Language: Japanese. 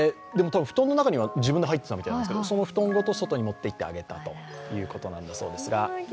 布団の中には自分で入ったそうなんですけどその布団ごと外に持っていってあげたということなんだそうです。